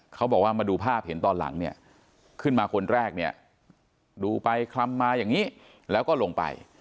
เขาบอกว่ามาดูภาพเห็นตอนหลังเนี่ยขึ้นมาคนแรกเนี่ยดูไปคลำมาอย่างนี้แล้วก็ลงไป